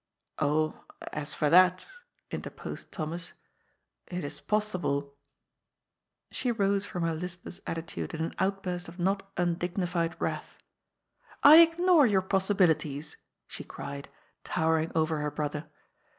"Oh, as for that," interposed Thomas, "it is pos sible " She rose from her listless attitude in an outburst of not undignified wrath :" I ignore your possibilities," she cried, towering over her brother.